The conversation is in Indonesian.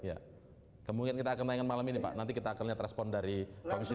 kemarin kemarin oke itu aja udah kemudian kita akan malam ini nanti kita akan respon dari mungkin